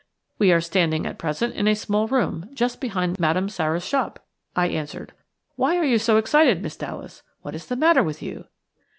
"We are standing at present in a small room just behind Madame Sara's shop," I answered. "Why are you so excited, Miss Dallas? What is the matter with you?"